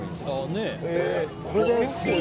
これです！